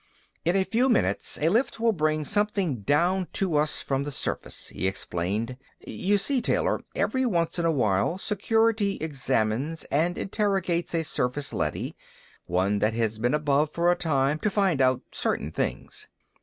"In a few minutes, a lift will bring something down to us from the surface," he explained. "You see, Taylor, every once in a while Security examines and interrogates a surface leady, one that has been above for a time, to find out certain things.